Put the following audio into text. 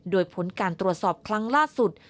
โดยผลการตรวจสอบครั้งล่าสุด